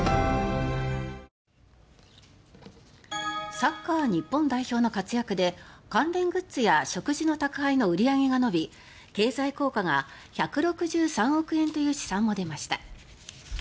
サッカー日本代表の活躍で関連グッズや食事の宅配の売り上げが伸び経済効果が１６３億円という試算も出ました。